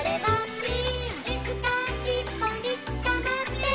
「いつかしっぽに捕まって」